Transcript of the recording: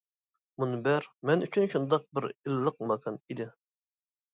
مۇنبەر مەن ئۈچۈن شۇنداق بىر ئىللىق ماكان ئىدى.